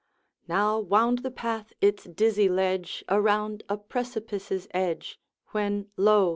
Now wound the path its dizzy ledge Around a precipice's edge, When lo!